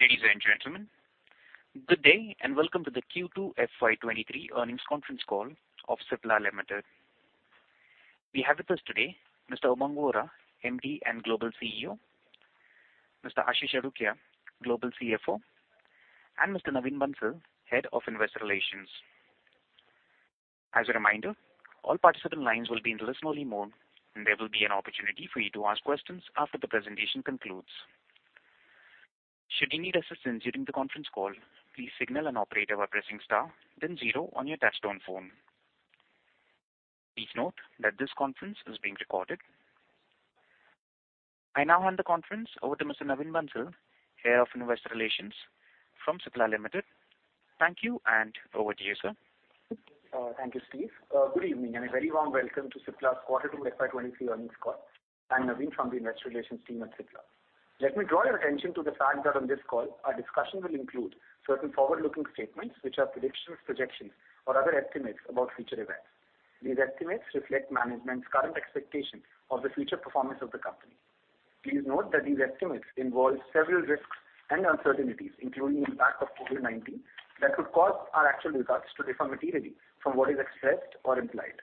Ladies and gentlemen, good day, and welcome to the Q2 FY23 Earnings Conference Call of Cipla Limited. We have with us today Mr. Umang Vohra, MD and Global CEO, Mr. Ashish Adukia, Global CFO, and Mr. Naveen Bansal, Head of Investor Relations. As a reminder, all participant lines will be in listen only mode, and there will be an opportunity for you to ask questions after the presentation concludes. Should you need assistance during the conference call, please signal an operator by pressing star then zero on your touchtone phone. Please note that this conference is being recorded. I now hand the conference over to Mr. Naveen Bansal, Head of Investor Relations from Cipla Limited. Thank you, and over to you, sir. Thank you, Steve. Good evening and a very warm welcome to Cipla's Q2 FY23 Earnings Call. I'm Naveen from the Investor Relations team at Cipla. Let me draw your attention to the fact that on this call, our discussion will include certain forward-looking statements which are predictions, projections, or other estimates about future events. These estimates reflect management's current expectations of the future performance of the company. Please note that these estimates involve several risks and uncertainties, including the impact of COVID-19, that could cause our actual results to differ materially from what is expressed or implied.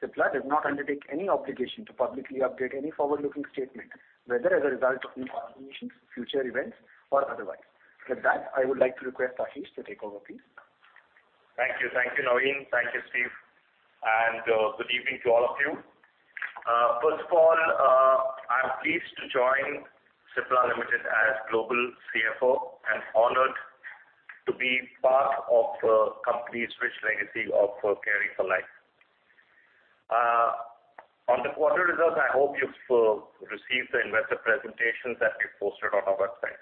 Cipla does not undertake any obligation to publicly update any forward-looking statement, whether as a result of new information, future events, or otherwise. With that, I would like to request Ashish to take over, please. Thank you. Thank you, Naveen. Thank you, Steve. Good evening to all of you. First of all, I'm pleased to join Cipla Limited as Global CFO and honored to be part of the company's rich legacy of Caring for Life. On the quarter results, I hope you've received the investor presentations that we posted on our website.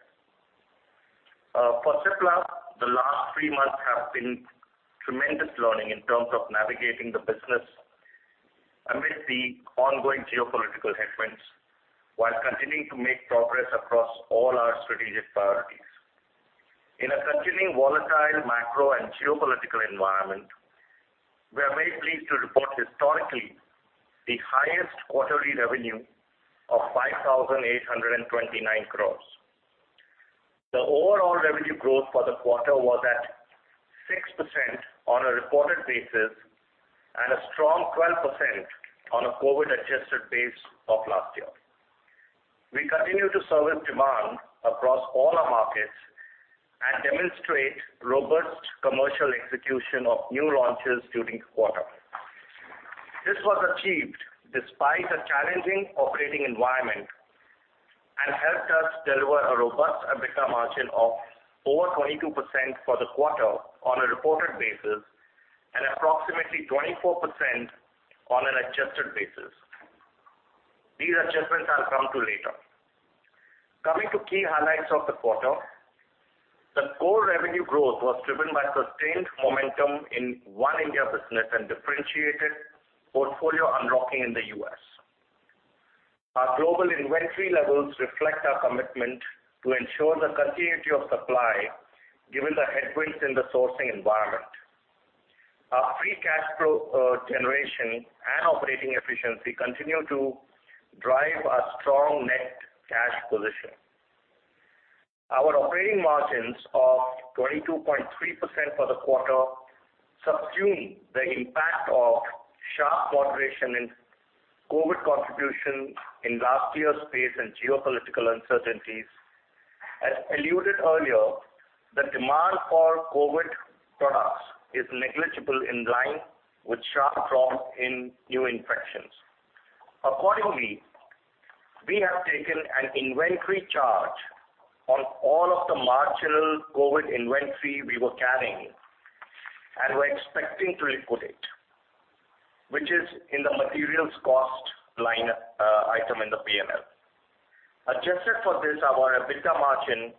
For Cipla, the last three months have been tremendous learning in terms of navigating the business amidst the ongoing geopolitical headwinds while continuing to make progress across all our strategic priorities. In a continuing volatile macro and geopolitical environment, we are very pleased to report historically the highest quarterly revenue of 5,829 crores. The overall revenue growth for the quarter was at 6% on a reported basis and a strong 12% on a COVID-adjusted base of last year. We continue to service demand across all our markets and demonstrate robust commercial execution of new launches during the quarter. This was achieved despite a challenging operating environment and helped us deliver a robust EBITDA margin of over 22% for the quarter on a reported basis and approximately 24% on an adjusted basis. These adjustments I'll come to later. Coming to key highlights of the quarter, the core revenue growth was driven by sustained momentum in One India business and differentiated portfolio unlocking in the U.S. Our global inventory levels reflect our commitment to ensure the continuity of supply given the headwinds in the sourcing environment. Our free cash flow generation and operating efficiency continue to drive our strong net cash position. Our operating margins of 22.3% for the quarter subsume the impact of sharp moderation in COVID contribution in last year's pace and geopolitical uncertainties. As alluded earlier, the demand for COVID products is negligible in line with sharp drop in new infections. Accordingly, we have taken an inventory charge on all of the marginal COVID inventory we were carrying and were expecting to liquid it, which is in the materials cost line, item in the P&L. Adjusted for this, our EBITDA margin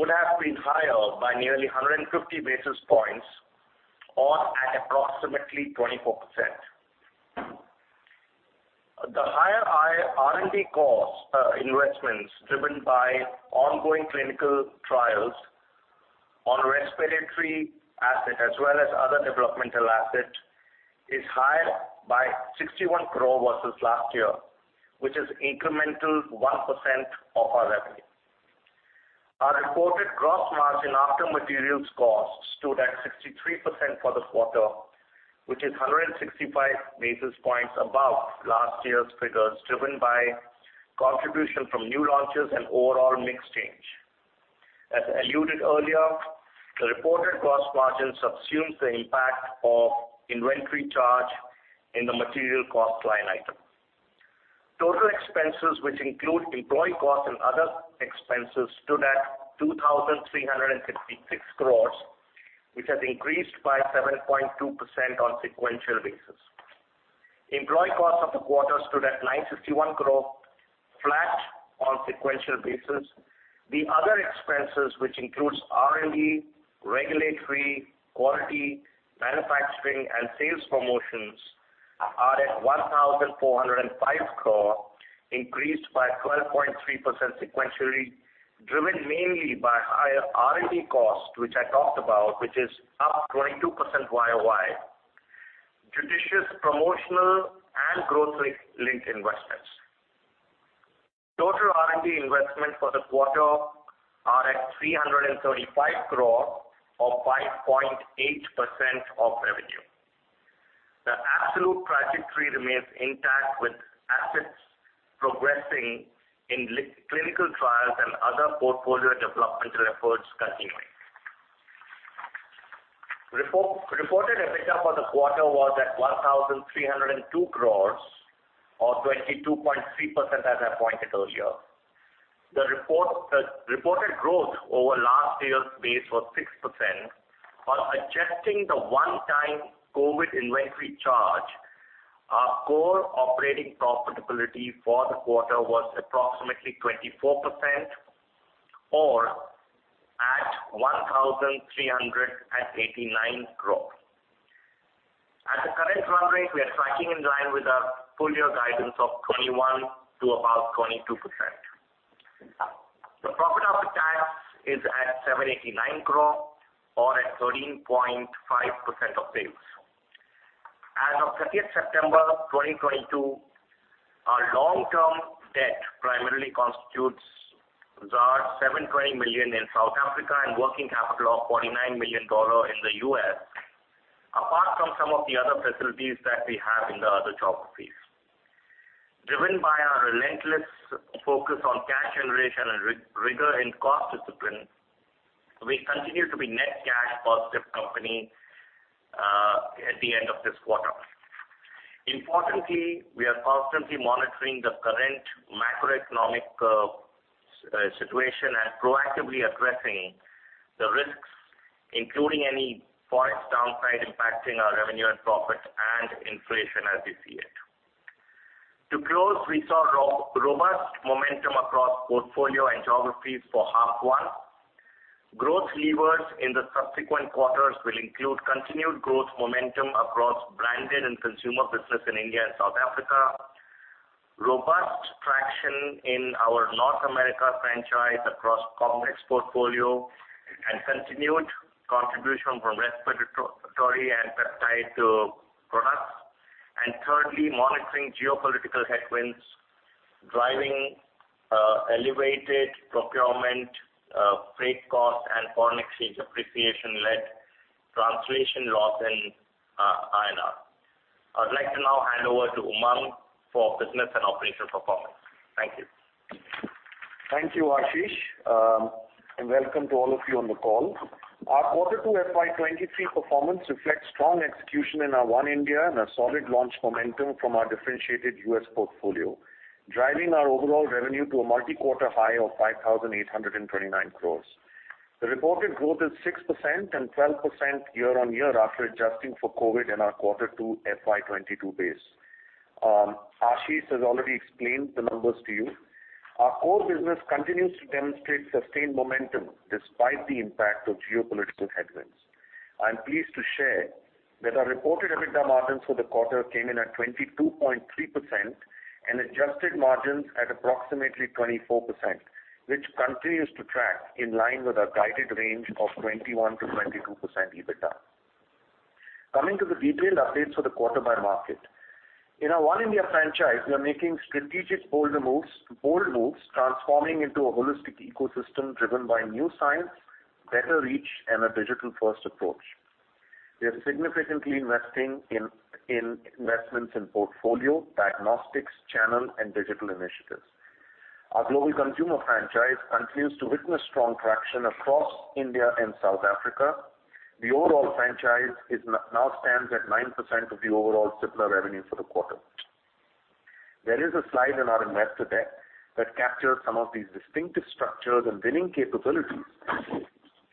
would have been higher by nearly 150 basis points or at approximately 24%. The higher R&D cost, investments driven by ongoing clinical trials on respiratory asset as well as other developmental asset is higher by 61 crore versus last year, which is incremental 1% of our revenue. Our reported gross margin after materials cost stood at 63% for the quarter, which is 165 basis points above last year's figures, driven by contribution from new launches and overall mix change. As alluded earlier, the reported gross margin subsumes the impact of inventory charge in the material cost line item. Total expenses, which include employee costs and other expenses, stood at 2,366 crore, which has increased by 7.2% on sequential basis. Employee costs of the quarter stood at 951 crore, flat on sequential basis. The other expenses, which includes R&D, regulatory, quality, manufacturing, and sales promotions, are at 1,405 crore, increased by 12.3% sequentially, driven mainly by higher R&D costs, which I talked about, which is up 22% YoY. Judicious promotional and growth linked investments. Total R&D investment for the quarter are at 335 crore or 5.8% of revenue. The absolute trajectory remains intact, with assets progressing in late-clinical trials and other portfolio developmental efforts continuing. Reported EBITDA for the quarter was at 1,302 crore or 22.3% as I pointed earlier. Reported growth over last year's base was 6%. While adjusting the one-time COVID inventory charge, our core operating profitability for the quarter was approximately 24% or at 1,389 crore. At the current run rate, we are tracking in line with our full year guidance of 21% to about 22%. The profit after tax is at 789 crore or at 13.5% of sales. As of 30 September 2022, our long term debt primarily constitutes 720 million in South Africa and working capital of $49 million in the US, apart from some of the other facilities that we have in the other geographies. Driven by our relentless focus on cash generation and rigor in cost discipline, we continue to be net cash positive company at the end of this quarter. Importantly, we are constantly monitoring the current macroeconomic situation and proactively addressing the risks, including any FX downside impacting our revenue and profit and inflation as we see it. To close, we saw robust momentum across portfolio and geographies for half one. Growth levers in the subsequent quarters will include continued growth momentum across branded and consumer business in India and South Africa, robust traction in our North America franchise across complex portfolio and continued contribution from respiratory and peptide products, and thirdly, monitoring geopolitical headwinds, driving elevated procurement, freight cost and foreign exchange depreciation-led translation loss in INR. I'd like to now hand over to Umang for business and operational performance. Thank you. Thank you, Ashish, and welcome to all of you on the call. Our quarter two FY23 performance reflects strong execution in our One India and a solid launch momentum from our differentiated US portfolio, driving our overall revenue to a multi-quarter high of 5,829 crores. The reported growth is 6% and 12% year-on-year after adjusting for COVID in our quarter two FY22 base. Ashish has already explained the numbers to you. Our core business continues to demonstrate sustained momentum despite the impact of geopolitical headwinds. I'm pleased to share that our reported EBITDA margins for the quarter came in at 22.3% and adjusted margins at approximately 24%, which continues to track in line with our guided range of 21%-22% EBITDA. Coming to the detailed updates for the quarter by market. In our One India franchise, we are making strategic bold moves, bold moves, transforming into a holistic ecosystem driven by new science, better reach, and a digital-first approach. We are significantly investing in investments in portfolio, diagnostics, channel, and digital initiatives. Our global consumer franchise continues to witness strong traction across India and South Africa. The overall franchise now stands at 9% of the overall Cipla revenue for the quarter. There is a slide in our investor deck that captures some of these distinctive structures and winning capabilities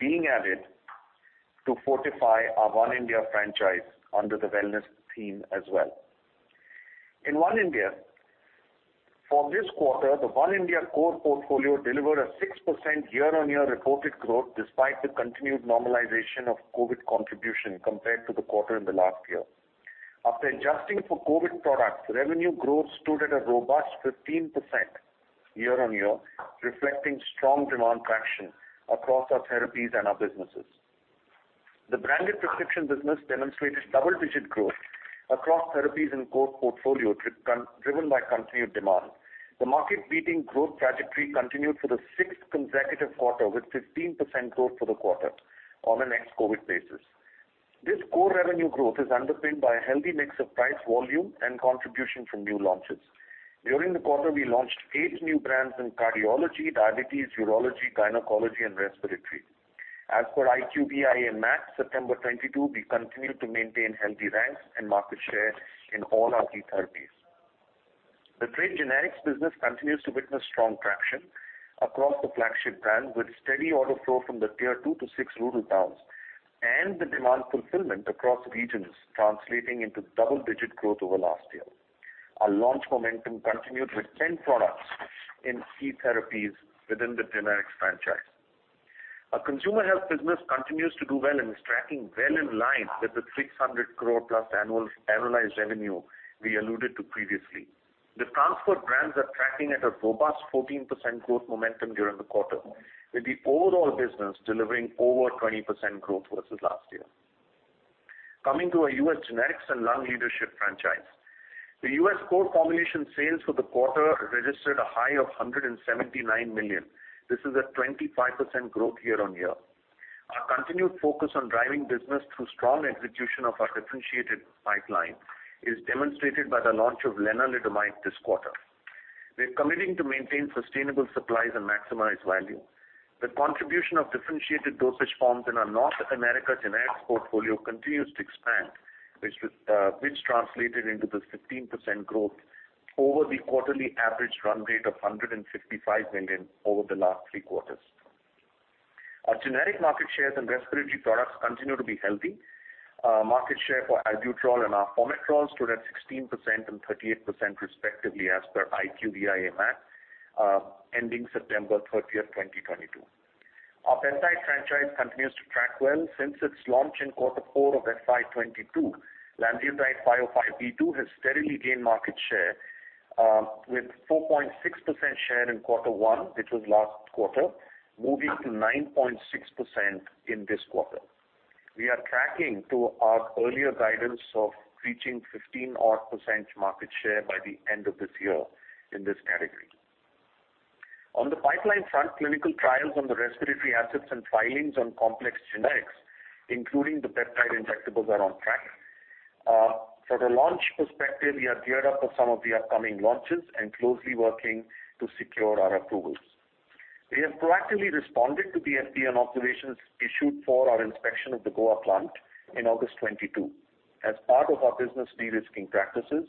being added to fortify our One India franchise under the wellness theme as well. In One India, for this quarter, the One India core portfolio delivered a 6% year-on-year reported growth despite the continued normalization of COVID contribution compared to the quarter in the last year. After adjusting for COVID products, revenue growth stood at a robust 15% year-on-year, reflecting strong demand traction across our therapies and our businesses. The branded prescription business demonstrated double-digit growth across therapies and core portfolio driven by continued demand. The market-beating growth trajectory continued for the sixth consecutive quarter with 15% growth for the quarter on an ex-COVID basis. This core revenue growth is underpinned by a healthy mix of price volume and contribution from new launches. During the quarter, we launched 8 new brands in cardiology, diabetes, urology, gynecology, and respiratory. As per IQVIA and MAT September 2022, we continue to maintain healthy ranks and market share in all our key therapies. The trade generics business continues to witness strong traction across the flagship brands, with steady order flow from the tier 2-6 rural towns and the demand fulfillment across regions translating into double-digit growth over last year. Our launch momentum continued with 10 products in key therapies within the generics franchise. Our consumer health business continues to do well and is tracking well in line with the 600 crore plus annualized revenue we alluded to previously. The transplant brands are tracking at a robust 14% growth momentum during the quarter, with the overall business delivering over 20% growth versus last year. Coming to our US generics and lung leadership franchise. The US core formulation sales for the quarter registered a high of $179 million. This is a 25% growth year-on-year. Our continued focus on driving business through strong execution of our differentiated pipeline is demonstrated by the launch of lenalidomide this quarter. We're committing to maintain sustainable supplies and maximize value. The contribution of differentiated dosage forms in our North America generics portfolio continues to expand, which translated into the 15% growth over the quarterly average run rate of $155 million over the last three quarters. Our generic market shares and respiratory products continue to be healthy. Market share for Albuterol and Arformoterol stood at 16% and 38% respectively as per IQVIA MAT, ending September thirtieth, 2022. Our peptide franchise continues to track well since its launch in quarter four of FY 2022. Lanreotide 505(b)(2) has steadily gained market share with 4.6% share in quarter one, which was last quarter, moving to 9.6% in this quarter. We are tracking to our earlier guidance of reaching 15 or so % market share by the end of this year in this category. On the pipeline front, clinical trials on the respiratory assets and filings on complex generics, including the peptide injectables, are on track. For the launch perspective, we are geared up for some of the upcoming launches and closely working to secure our approvals. We have proactively responded to the FDA observations issued for our inspection of the Goa plant in August 2022. As part of our business de-risking practices,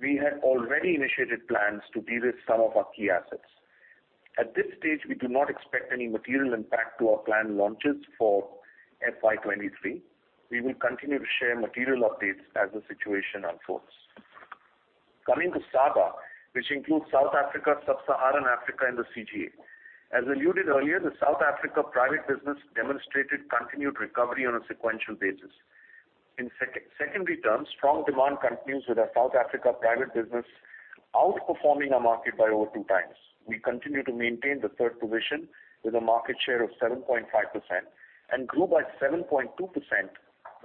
we had already initiated plans to de-risk some of our key assets. At this stage, we do not expect any material impact to our planned launches for FY23. We will continue to share material updates as the situation unfolds. Coming to SAGA, which includes South Africa, Sub-Saharan Africa, and the CGA. As alluded earlier, the South Africa private business demonstrated continued recovery on a sequential basis. In secondary terms, strong demand continues with our South Africa private business outperforming our market by over two times. We continue to maintain the third position with a market share of 7.5% and grew by 7.2%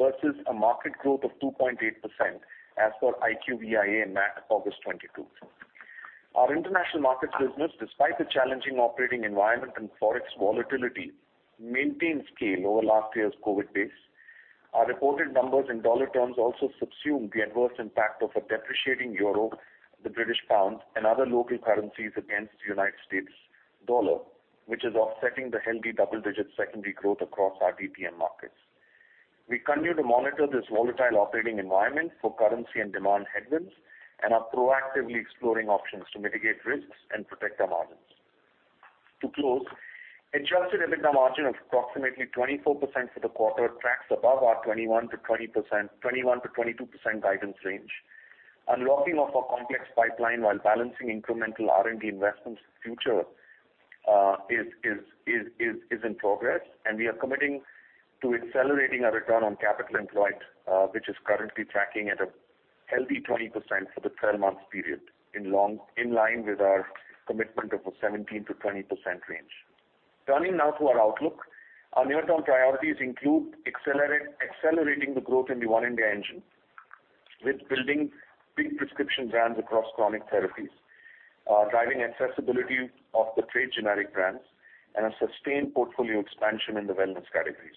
versus a market growth of 2.8% as per IQVIA in August 2022. Our international markets business, despite the challenging operating environment and Forex volatility, maintained scale over last year's COVID base. Our reported numbers in dollar terms also subsume the adverse impact of a depreciating euro, the British pound, and other local currencies against the United States dollar, which is offsetting the healthy double-digit secondary growth across our DPM markets. We continue to monitor this volatile operating environment for currency and demand headwinds and are proactively exploring options to mitigate risks and protect our margins. To close, Adjusted EBITDA margin of approximately 24% for the quarter tracks above our 21%-22% guidance range. Unlocking of our complex pipeline while balancing incremental R&D investments future is in progress, and we are committing to accelerating our return on capital employed, which is currently tracking at a healthy 20% for the twelve months period in line with our commitment of a 17%-20% range. Turning now to our outlook. Our near-term priorities include accelerating the growth in the One India engine with building big prescription brands across chronic therapies, driving accessibility of the trade generic brands, and a sustained portfolio expansion in the wellness categories.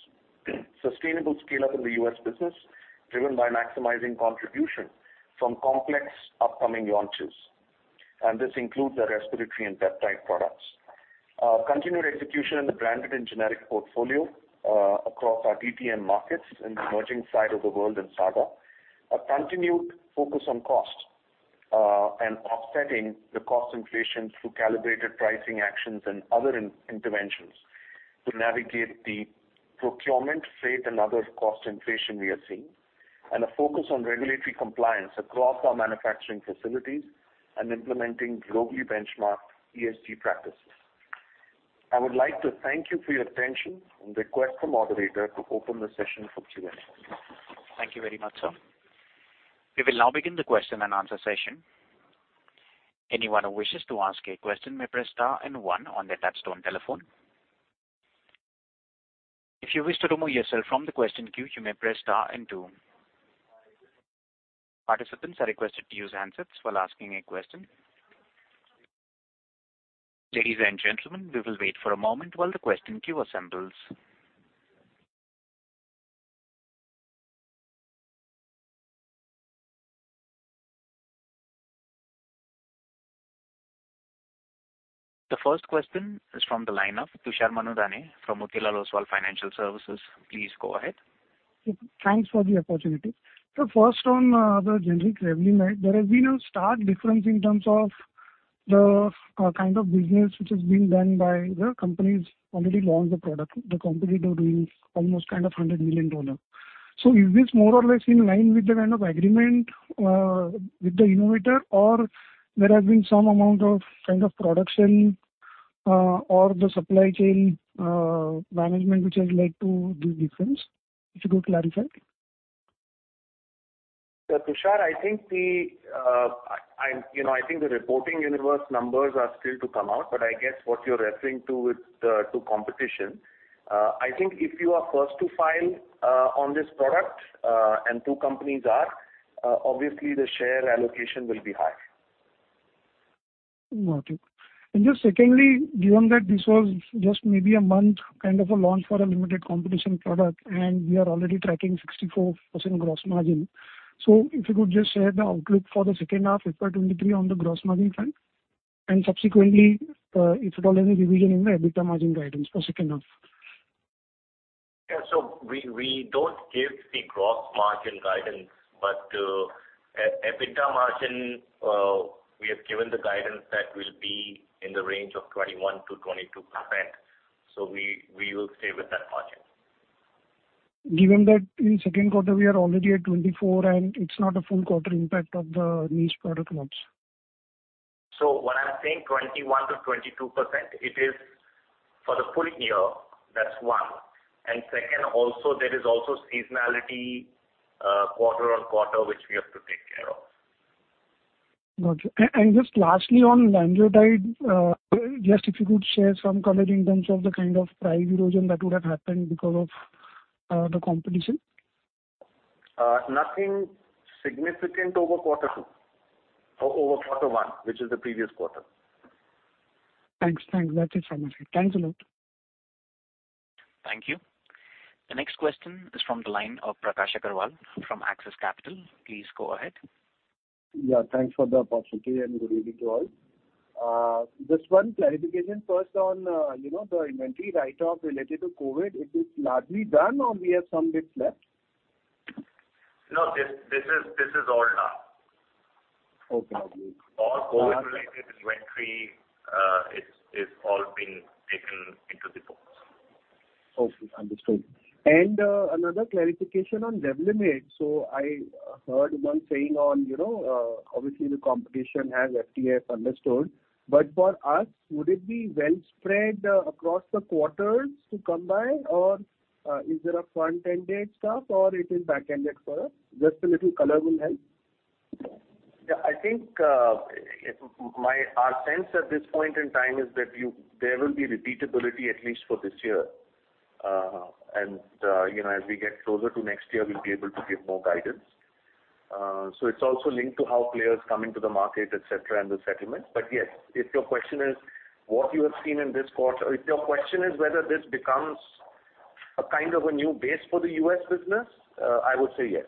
Sustainable scale-up in the U.S. business, driven by maximizing contribution from complex upcoming launches, and this includes our respiratory and peptide products. Continued execution in the branded and generic portfolio, across our DPM markets in the emerging side of the world in SAGA. A continued focus on cost, and offsetting the cost inflation through calibrated pricing actions and other interventions to navigate the procurement, freight, and other cost inflation we are seeing. A focus on regulatory compliance across our manufacturing facilities and implementing globally benchmarked ESG practices. I would like to thank you for your attention and request the moderator to open the session for Q&A. Thank you very much, sir. We will now begin the question and answer session. Anyone who wishes to ask a question may press star and one on their touchtone telephone. If you wish to remove yourself from the question queue, you may press star and two. Participants are requested to use handsets while asking a question. Ladies and gentlemen, we will wait for a moment while the question queue assembles. The first question is from the line of Tushar Manudhane from Motilal Oswal Financial Services. Please go ahead. Thanks for the opportunity. First on the generic revenue, right? There has been a stark difference in terms of the kind of business which is being done by the companies already launched the product. The company they're doing almost kind of $100 million. Is this more or less in line with the kind of agreement with the innovator or there has been some amount of kind of production or the supply chain management which has led to this difference? If you could clarify. Tushar, I think the I you know I think the reporting universe numbers are still to come out, but I guess what you're referring to is the competition. I think if you are first to file on this product and two companies are obviously the share allocation will be high. Got you. Just secondly, given that this was just maybe a month kind of a launch for a limited competition product, and we are already tracking 64% gross margin. If you could just share the outlook for the second half fiscal 2023 on the gross margin front, and subsequently, if at all any revision in the EBITDA margin guidance for second half? Yeah. We don't give the gross margin guidance, but EBITDA margin, we have given the guidance that will be in the range of 21%-22%. We will stay with that margin. Given that in second quarter we are already at 24, and it's not a full quarter impact of the niche product launch. What I'm saying, 21%-22%, it is for the full year. That's one. Second also, there is also seasonality, quarter-on-quarter, which we have to take care of. Got you. Just lastly on Lanreotide, just if you could share some color in terms of the kind of price erosion that would have happened because of the competition. Nothing significant over quarter two or over quarter one, which is the previous quarter. Thanks. That's it from my side. Thanks a lot. Thank you. The next question is from the line of Prakash Agarwal from Axis Capital. Please go ahead. Yeah, thanks for the opportunity and good evening to all. Just one clarification first on, you know, the inventory write-off related to COVID. It is largely done or we have some bits left? No, this is all done. Okay. All COVID-related inventory, it's all been taken into the books. Okay, understood. Another clarification on Revlimid. I heard you saying on, you know, obviously the competition has FDA approval. For us, would it be well spread across the quarters to come by? Or, is there a front-ended stuff or it is back-ended for us? Just a little color will help. Yeah, I think our sense at this point in time is that there will be repeatability at least for this year. You know, as we get closer to next year, we'll be able to give more guidance. It's also linked to how players come into the market, et cetera, and the settlements. Yes, if your question is what you have seen in this quarter, if your question is whether this becomes a kind of a new base for the U.S. business, I would say yes.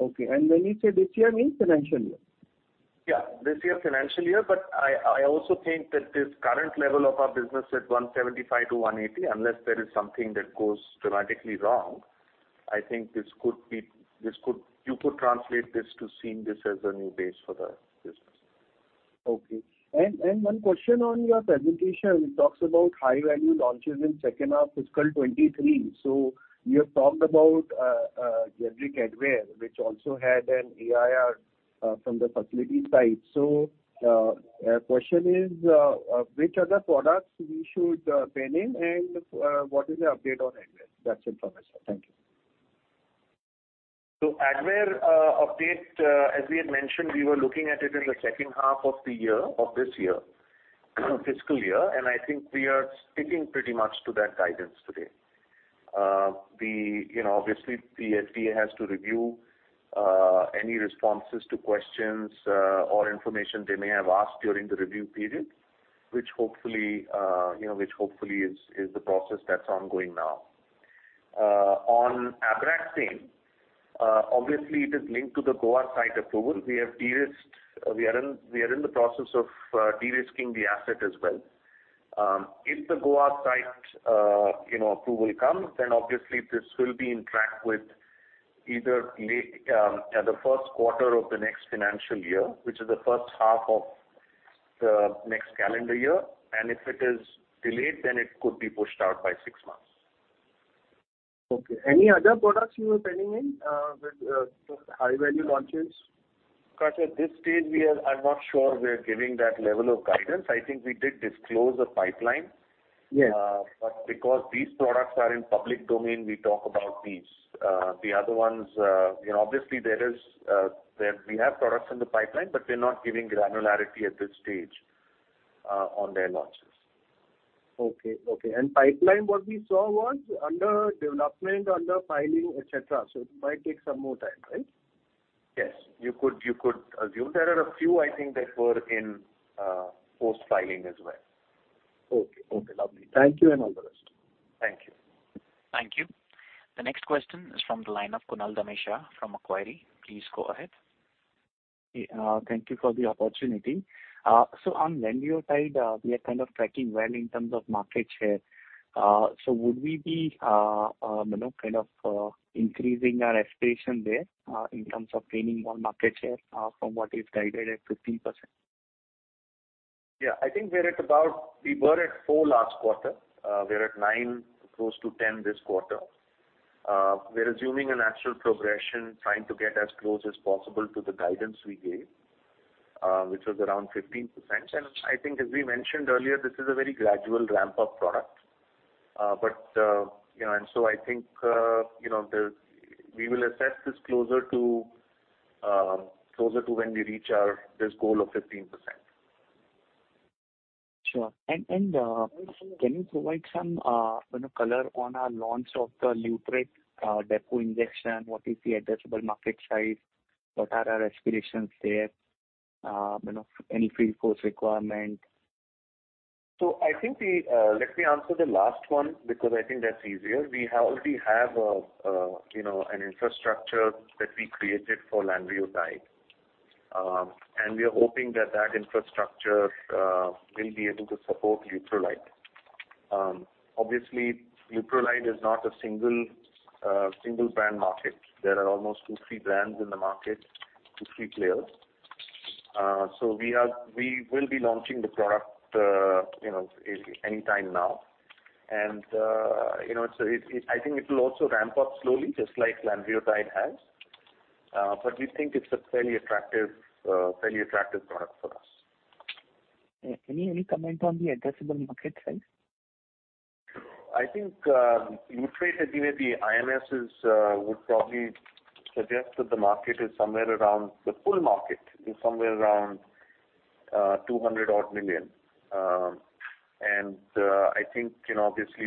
Okay. When you say this year, means financial year? Yeah, this financial year, but I also think that this current level of our business at 175-180, unless there is something that goes dramatically wrong, I think this could be. You could translate this to seeing this as a new base for the business. Okay. One question on your presentation, it talks about high value launches in second half fiscal 2023. You have talked about generic Advair, which also had an EIR from the facility side. Question is, which are the products we should pen in and what is the update on Advair? That's it from my side. Thank you. Advair update, as we had mentioned, we were looking at it in the second half of the year, of this year, fiscal year, and I think we are sticking pretty much to that guidance today. You know, obviously the FDA has to review any responses to questions or information they may have asked during the review period, which hopefully is the process that's ongoing now. On Abraxane, obviously it is linked to the Goa site approval. We are in the process of de-risking the asset as well. If the Goa site approval comes, obviously this will be on track with either late the first quarter of the next financial year, which is the first half of the next calendar year. If it is delayed, then it could be pushed out by six months. Okay. Any other products you were penciling in with high-value launches? Prakash, at this stage I'm not sure we're giving that level of guidance. I think we did disclose the pipeline. Yes. Because these products are in public domain, we talk about these. The other ones, you know, obviously we have products in the pipeline, but we're not giving granularity at this stage on their launches. Okay. Pipeline, what we saw was under development, under filing, et cetera. It might take some more time, right? Yes. You could assume. There are a few I think that were in, post-filing as well. Okay. Lovely. Thank you and all the best. Thank you. Thank you. The next question is from the line of Kunal Dhamesha from Macquarie. Please go ahead. Yeah. Thank you for the opportunity. On Lanreotide, we are kind of tracking well in terms of market share. Would we be, you know, kind of, increasing our aspiration there, in terms of gaining more market share, from what is guided at 50%? Yeah. I think we're at about we were at four last quarter. We're at nine, close to 10 this quarter. We're assuming a natural progression, trying to get as close as possible to the guidance we gave, which was around 15%. I think as we mentioned earlier, this is a very gradual ramp-up product. You know, and so I think you know we will assess this closer to when we reach this goal of 15%. Sure. Can you provide some, you know, color on our launch of the Leuprolide depot injection? What is the addressable market size? What are our aspirations there? You know, any prerequisite. I think, let me answer the last one because I think that's easier. We have already, you know, an infrastructure that we created for Lanreotide. We are hoping that infrastructure will be able to support Leuprolide. Obviously Leuprolide is not a single brand market. There are almost two, three brands in the market, two, three players. We will be launching the product, you know, any time now. You know, I think it will also ramp up slowly, just like Lanreotide has. We think it's a fairly attractive product for us. Any comment on the addressable market size? I think, Lupron. I think maybe IMS would probably suggest that the full market is somewhere around 200-odd million. I think, you know, obviously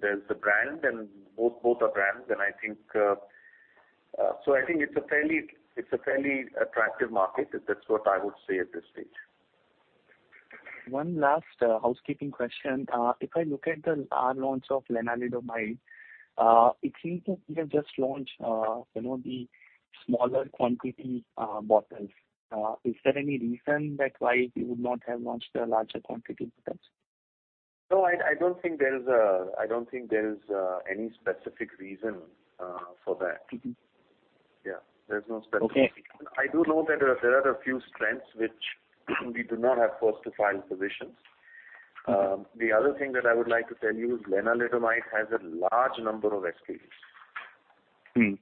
there's the brand and both are brands. I think it's a fairly attractive market. That's what I would say at this stage. One last housekeeping question. If I look at our launch of lenalidomide, it seems that we have just launched, you know, the smaller quantity bottles. Is there any reason that why you would not have launched a larger quantity bottles? No, I don't think there's any specific reason for that. Yeah. There's no specific reason. Okay. I do know that there are a few strengths which we do not have first-to-file positions.. The other thing that I would like to tell you is lenalidomide has a large number of SKUs.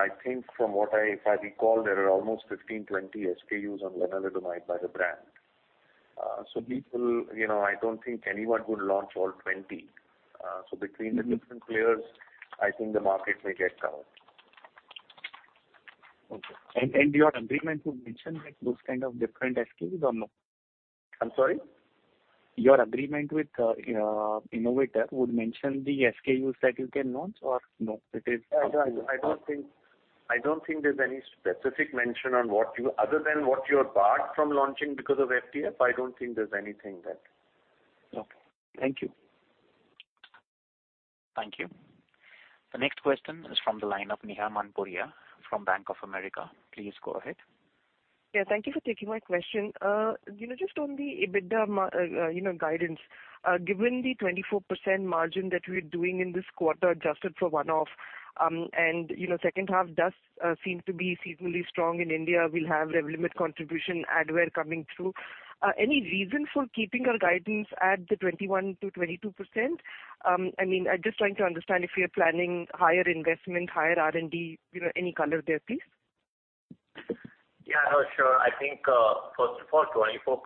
I think if I recall, there are almost 15-20 SKUs on lenalidomide by the brand. People, you know, I don't think anyone would launch all 20. Between The different players, I think the market may get covered. Okay. Your agreement would mention that those kind of different SKUs or no? I'm sorry? Your agreement with Innovator would mention the SKUs that you can launch or no? I don't think there's any specific mention. Other than what you're barred from launching because of FTF, I don't think there's anything there. Okay. Thank you. Thank you. The next question is from the line of Neha Manpuria from Bank of America. Please go ahead. Yeah, thank you for taking my question. You know, just on the EBITDA margin guidance, given the 24% margin that we're doing in this quarter adjusted for one-off, and you know, second half does seem to be seasonally strong in India, we'll have Revlimid contribution Advair coming through. Any reason for keeping our guidance at the 21%-22%? I mean, I'm just trying to understand if we are planning higher investment, higher R&D, you know, any color there, please. Yeah. No, sure. I think, first of all, 24%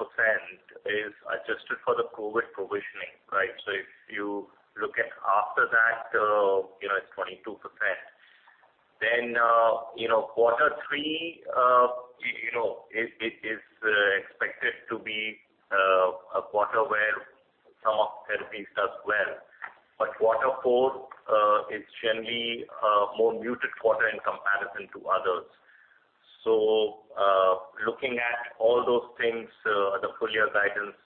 is adjusted for the COVID provisioning, right? So if you look at after that, you know, it's 22%. Then, you know, quarter three, you know, it is expected to be a quarter where some of therapies does well. But quarter four is generally a more muted quarter in comparison to others. So, looking at all those things, the full year guidance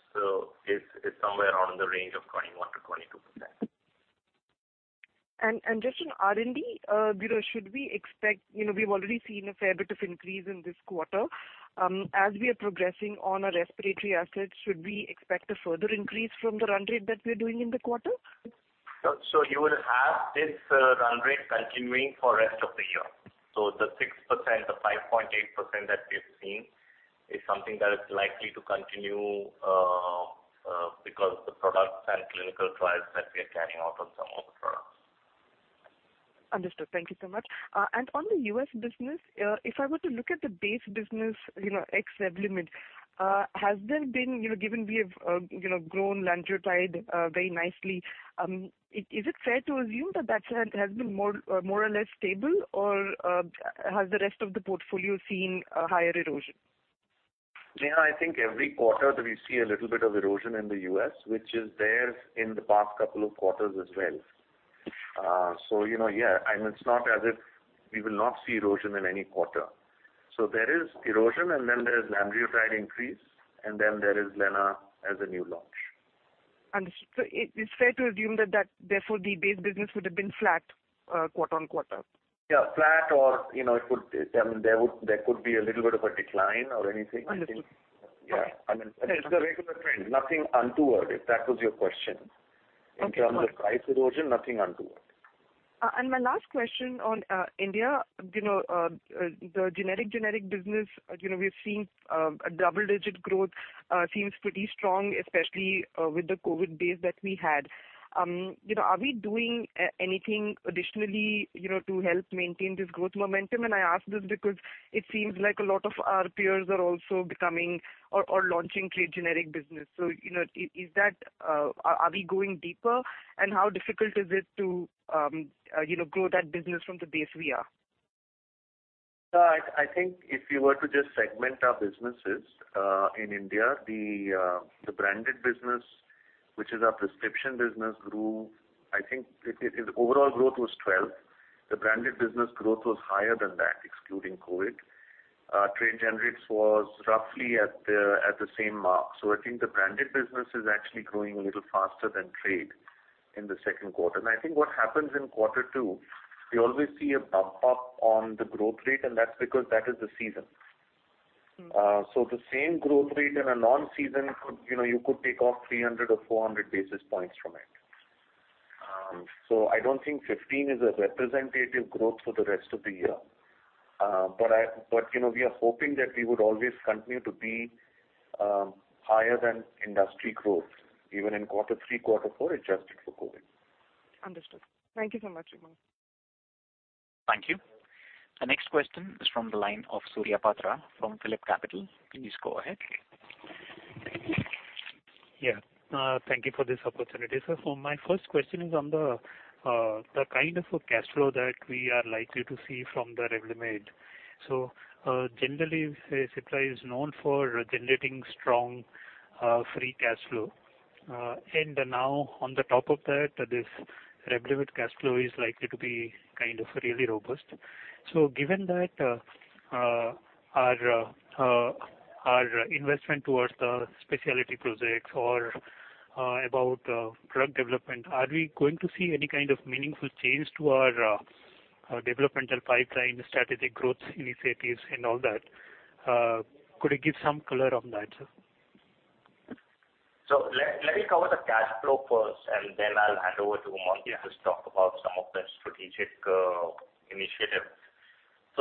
is somewhere around in the range of 21%-22%. Just on R&D, you know, should we expect? You know, we've already seen a fair bit of increase in this quarter. As we are progressing on our respiratory assets, should we expect a further increase from the run rate that we're doing in the quarter? You would have this run rate continuing for rest of the year. The 6%, the 5.8% that we've seen is something that is likely to continue, because the products and clinical trials that we are carrying out on some of the products. Understood. Thank you so much. On the U.S. business, if I were to look at the base business, you know, ex Revlimid, has there been, you know, given we have grown Lanreotide very nicely, is it fair to assume that has been more or less stable? Or, has the rest of the portfolio seen a higher erosion? Neha, I think every quarter that we see a little bit of erosion in the US, which is there in the past couple of quarters as well. You know, yeah, I mean, it's not as if we will not see erosion in any quarter. There is erosion and then there is Lanreotide increase, and then there is lenalidomide as a new launch. Understood. It's fair to assume that therefore the base business would have been flat, quarter-on-quarter. Yeah, flat or, you know, it could, I mean, there could be a little bit of a decline or anything. Understood. I think. Yeah. Okay. I mean, it's the regular trend. Nothing untoward, if that was your question. Okay. Understood. In terms of price erosion, nothing untoward. My last question on India. You know, the generic business, you know, we're seeing a double-digit growth, seems pretty strong, especially with the COVID base that we had. You know, are we doing anything additionally, you know, to help maintain this growth momentum? I ask this because it seems like a lot of our peers are also becoming or launching their generic business. You know, is that. Are we going deeper, and how difficult is it to, you know, grow that business from the base we are? I think if you were to just segment our businesses in India, the branded business, which is our prescription business, grew. I think its overall growth was 12%. The branded business growth was higher than that, excluding COVID. Trade generics was roughly at the same mark. I think the branded business is actually growing a little faster than trade in the second quarter. I think what happens in quarter two, we always see a bump up on the growth rate, and that's because that is the season. The same growth rate in a non-seasonal quarter, you know, you could take off 300 or 400 basis points from it. I don't think 15% is a representative growth for the rest of the year. You know, we are hoping that we would always continue to be higher than industry growth, even in quarter three, quarter four, adjusted for COVID. Understood. Thank you so much, Umang. Thank you. The next question is from the line of Surya Patra from PhillipCapital. Please go ahead. Thank you for this opportunity, sir. My first question is on the kind of a cash flow that we are likely to see from the Revlimid. Generally, say, Cipla is known for generating strong free cash flow. Now on the top of that, this Revlimid cash flow is likely to be kind of really robust. Given that, our investment towards the specialty projects or about drug development, are we going to see any kind of meaningful change to our developmental pipeline, strategic growth initiatives and all that? Could you give some color on that, sir? Let me cover the cash flow first, and then I'll hand over to Umang to just talk about some of the strategic initiatives.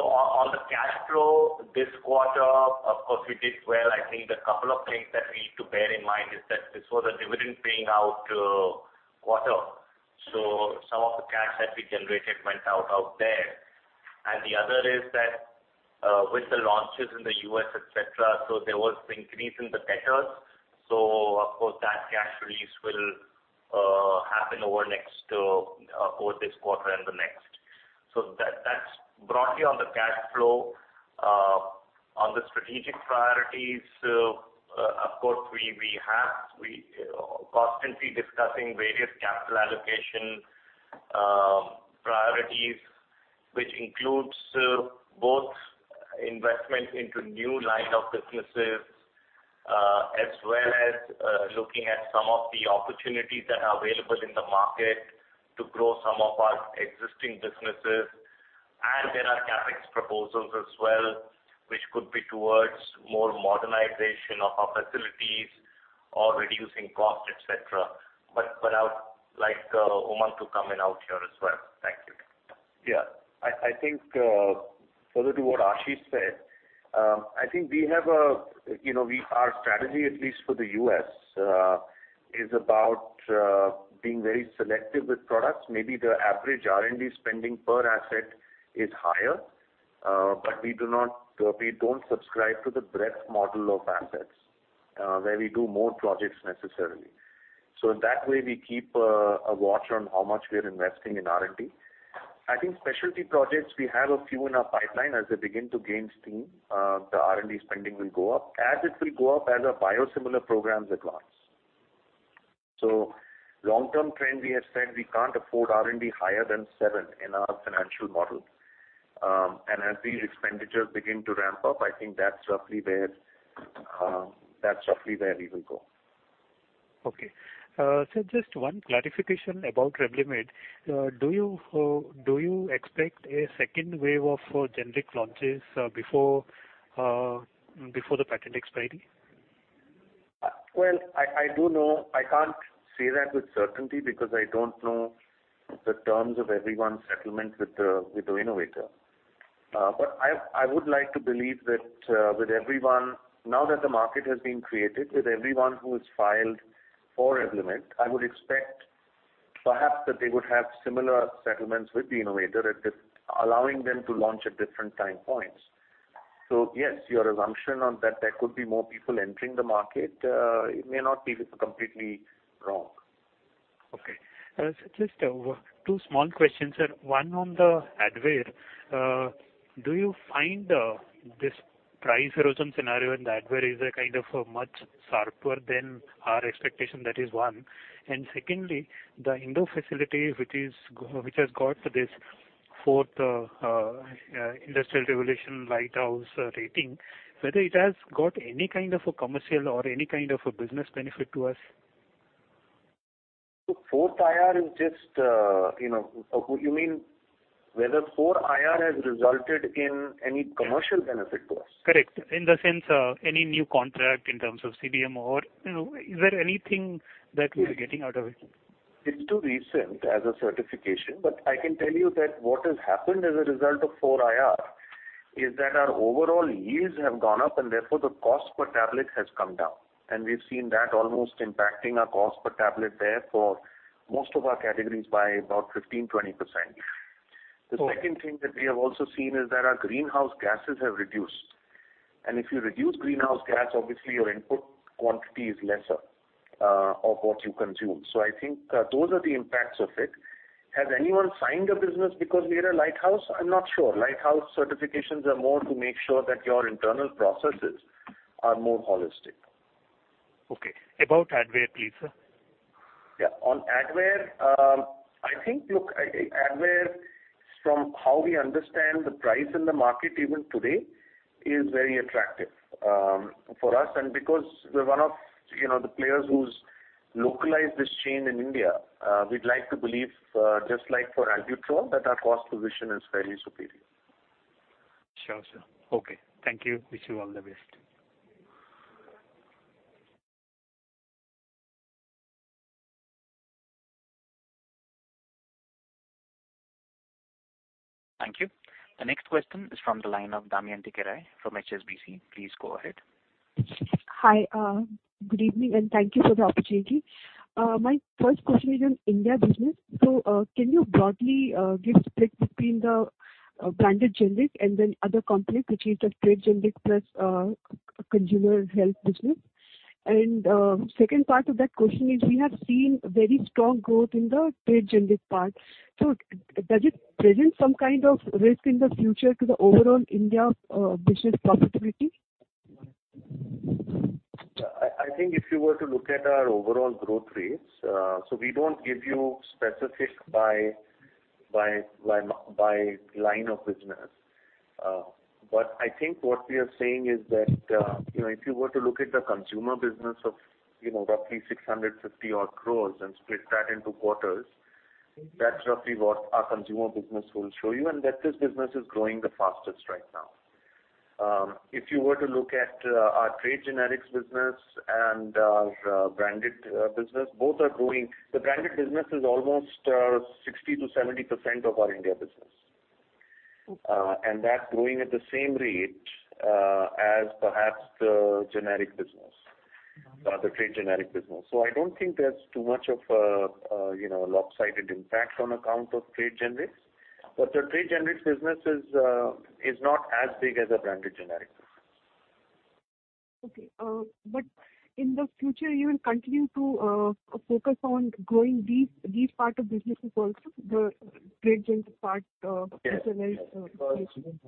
On the cash flow this quarter, of course, we did well. I think the couple of things that we need to bear in mind is that this was a dividend paying out quarter. Some of the cash that we generated went out there. The other is that with the launches in the U.S., et cetera, so there was increase in the debtors. Of course, that cash release will happen over next, of course, this quarter and the next. That's broadly on the cash flow. On the strategic priorities, of course, we constantly discussing various capital allocation priorities, which includes both investment into new line of businesses as well as looking at some of the opportunities that are available in the market to grow some of our existing businesses. There are CapEx proposals as well, which could be towards more modernization of our facilities or reducing costs, et cetera. I would like Umang to come in out here as well. Thank you. I think further to what Ashish said. You know, our strategy, at least for the U.S., is about being very selective with products. Maybe the average R&D spending per asset is higher, but we don't subscribe to the breadth model of assets, where we do more projects necessarily. In that way, we keep a watch on how much we are investing in R&D. I think specialty projects, we have a few in our pipeline. As they begin to gain steam, the R&D spending will go up as our biosimilar programs advance. Long-term trend, we have said we can't afford R&D higher than seven in our financial model. As these expenditures begin to ramp up, I think that's roughly where we will go. Okay. Just one clarification about Revlimid. Do you expect a second wave of generic launches before the patent expiry? Well, I do know. I can't say that with certainty because I don't know the terms of everyone's settlement with the innovator. I would like to believe that with everyone, now that the market has been created, with everyone who has filed for Revlimid, I would expect perhaps that they would have similar settlements with the innovator at this, allowing them to launch at different time points. Yes, your assumption on that there could be more people entering the market, it may not be completely wrong. Okay. Just two small questions, sir. One on the Advair. Do you find this price erosion scenario in Advair is a kind of a much sharper than our expectation? That is one. Secondly, the Indore facility which has got this Fourth Industrial Revolution Lighthouse rating, whether it has got any kind of a commercial or any kind of a business benefit to us? 4IR is just, you know, whether 4IR has resulted in any commercial benefit to us. Correct. In the sense, any new contract in terms of CDMO or, you know, is there anything that we're getting out of it? It's too recent as a certification, but I can tell you that what has happened as a result of 4IR is that our overall yields have gone up and therefore the cost per tablet has come down. We've seen that almost impacting our cost per tablet there for most of our categories by about 15%-20%. Okay. The second thing that we have also seen is that our greenhouse gases have reduced. If you reduce greenhouse gas, obviously your input quantity is lesser, of what you consume. I think, those are the impacts of it. Has anyone signed a business because we are a lighthouse? I'm not sure. Lighthouse certifications are more to make sure that your internal processes are more holistic. Okay. About Advair, please, sir? Yeah. On Advair, from how we understand the price in the market even today is very attractive for us. Because we're one of, you know, the players who's localized the supply chain in India, we'd like to believe, just like for Albuterol, that our cost position is fairly superior. Sure, sir. Okay. Thank you. Wish you all the best. Thank you. The next question is from the line of Damayanti Kerai from HSBC. Please go ahead. Hi, good evening, and thank you for the opportunity. My first question is on India business. Can you broadly give split between the branded generic and then other complex, which is the trade generic plus consumer health business? Second part of that question is, we have seen very strong growth in the trade generic part. Does it present some kind of risk in the future to the overall India business profitability? I think if you were to look at our overall growth rates, so we don't give you specifics by line of business. But I think what we are saying is that, you know, if you were to look at the consumer business of, you know, roughly 650 odd crores and split that into quarters. That's roughly what our consumer business will show you, and that this business is growing the fastest right now. If you were to look at our trade generics business and our branded business, both are growing. The branded business is almost 60%-70% of our India business. Okay. That's growing at the same rate as perhaps the generic business. Okay. The trade generic business. I don't think there's too much of a you know lopsided impact on account of trade generics. The trade generics business is not as big as a branded generic. In the future you will continue to focus on growing these part of businesses also, the trade generic part. Yes. Personalize patient.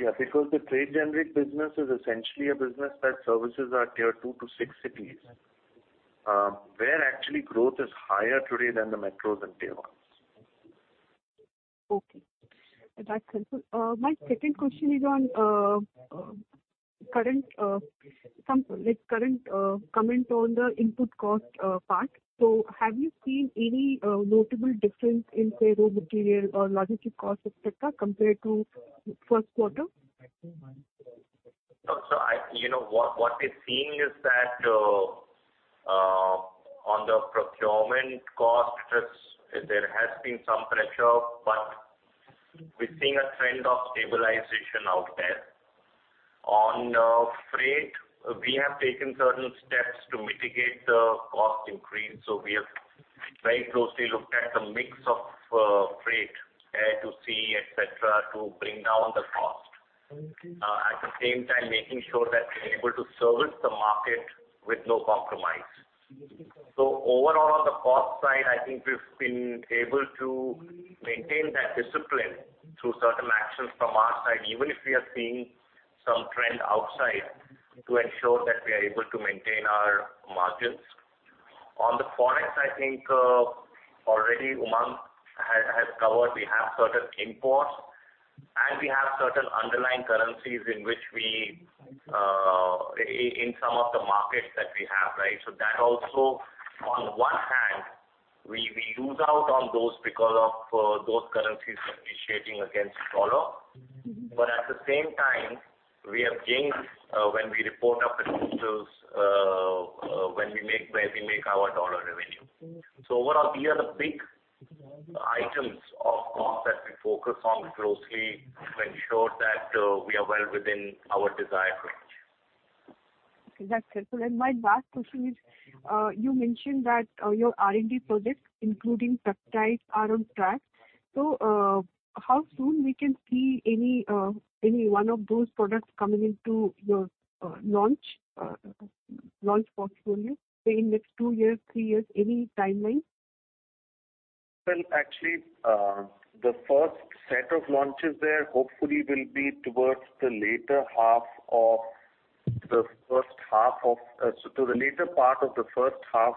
Yeah, because the trade generic business is essentially a business that services our tier two to six cities, where actually growth is higher today than the metros and tier ones. Okay. That's helpful. My second question is on, like, current comment on the input cost part. Have you seen any notable difference in, say, raw material or logistics costs, et cetera, compared to first quarter? You know, what we're seeing is that on the procurement cost, there has been some pressure, but we're seeing a trend of stabilization out there. On freight, we have taken certain steps to mitigate the cost increase. We have very closely looked at the mix of freight, air to sea, et cetera, to bring down the cost. Okay. At the same time, making sure that we're able to service the market with no compromise. Understood, sir. Overall on the cost side, I think we've been able to maintain that discipline through certain actions from our side, even if we are seeing some trend outside, to ensure that we are able to maintain our margins. On the Forex, I think already Umang has covered. We have certain imports, and we have certain underlying currencies in which we in some of the markets that we have, right? That also on one hand, we lose out on those because of those currencies appreciating against dollar. At the same time, we have gained, when we report our financials, when we make our dollar revenue. Okay. Overall, these are the big items of cost that we focus on closely to ensure that, we are well within our desired range. Okay. That's helpful. My last question is, you mentioned that your R&D projects, including peptides, are on track. How soon we can see any one of those products coming into your launch portfolio? Say in next two years, three years, any timeline? Well, actually, the first set of launches there hopefully will be towards the later part of the first half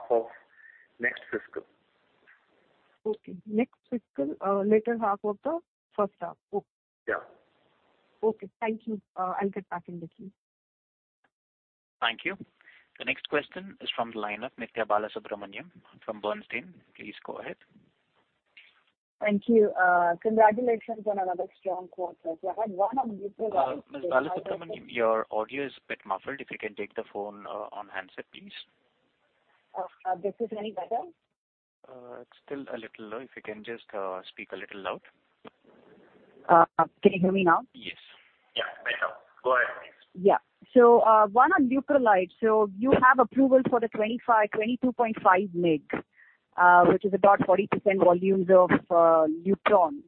of next fiscal. Okay. Next fiscal, later half of the first half. Okay. Yeah. Okay. Thank you. I'll get back in with you. Thank you. The next question is from the line of Nithya Balasubramanian from Bernstein. Please go ahead. Thank you. Congratulations on another strong quarter. I had one on Leuprolide. Ms. Nithya Balasubramanian, your audio is a bit muffled. If you can take the phone on handset, please. This is any better? It's still a little low. If you can just speak a little loud. Can you hear me now? Yes. Yeah, better. Go ahead, please. One on Leuprolide. You have approval for the 25, 22.5 mg, which is about 40% volumes of Lupron.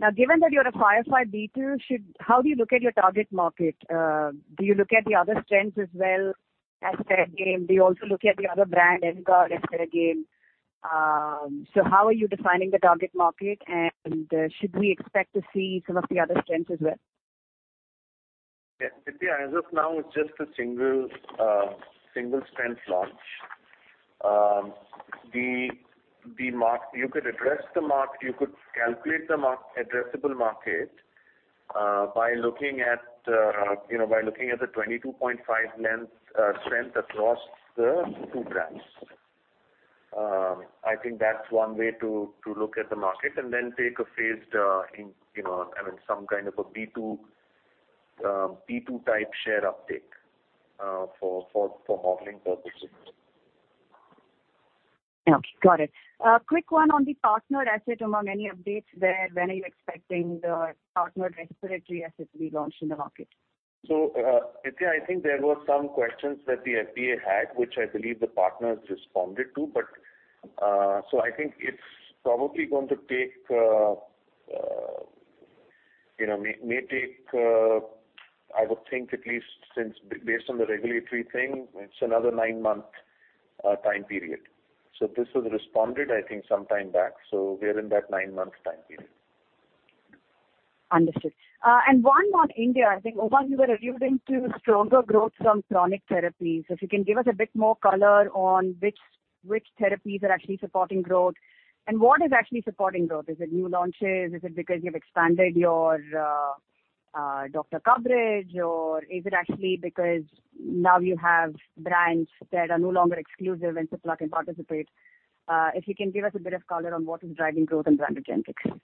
Now, given that you're a 505(b)(2), how do you look at your target market? Do you look at the other strengths as well as fair game? Do you also look at the other brand, Eligard, as fair game? How are you defining the target market, and should we expect to see some of the other strengths as well? Yeah. Nithya, as of now, it's just a single strength launch. You could calculate the market-addressable market by looking at, you know, by looking at the 22.5 mg strength across the two brands. I think that's one way to look at the market and then take a phased-in, you know, I mean, some kind of a 505(b)(2) type share uptick for modeling purposes. Okay, got it. Quick one on the partner asset. Any updates there, when are you expecting the partner respiratory asset to be launched in the market? Nitya, I think there were some questions that the FDA had, which I believe the partners responded to, but I think it's probably going to take, you know, may take, I would think at least since based on the regulatory thing, it's another nine month time period. This was responded, I think, some time back. We're in that nine month time period. Understood. One on India, I think, Umang Vohra, you were alluding to stronger growth from chronic therapies. If you can give us a bit more color on which therapies are actually supporting growth and what is actually supporting growth. Is it new launches? Is it because you've expanded your doctor coverage, or is it actually because now you have brands that are no longer exclusive and Cipla can participate? If you can give us a bit of color on what is driving growth in branded generics.